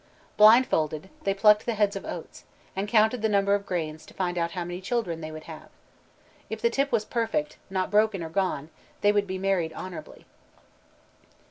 Blindfolded they plucked heads of oats, and counted the number of grains to find out how many children they would have. If the tip was perfect, not broken or gone, they would be married honorably.